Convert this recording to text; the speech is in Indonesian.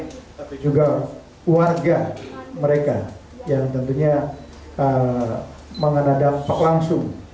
tapi juga warga mereka yang tentunya mengenal dampak langsung